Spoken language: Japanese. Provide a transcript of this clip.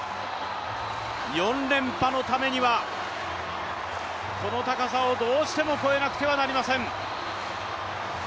４連覇のためにはこの高さをどうしても越えなくてはなりません。